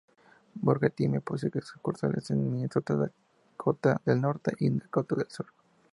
Burger Time posee sucursales en Minnesota, Dakota del Norte, y Dakota del Sur.